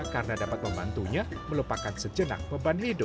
karena dapat membantunya melupakan sejenak beban hidup